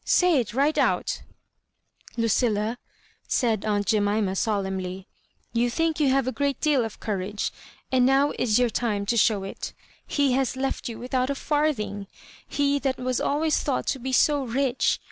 say it right out" "Lucilla," said aunt Jemima, solemnly, "you think you have a great deal of courage, and now is your thne to show it He has left you without a farthing — he that was always thought to be so rich.